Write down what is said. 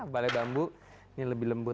balai bambu ini lebih lembut